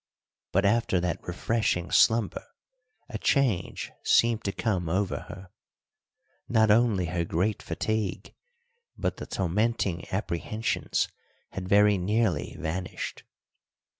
But after that refreshing slumber a change seemed to come over her. Not only her great fatigue, but the tormenting apprehensions had very nearly vanished.